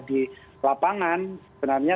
di lapangan sebenarnya